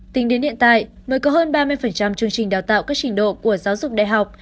tính đến hiện tại mới có hơn ba mươi chương trình đào tạo các trình độ của giáo dục đại học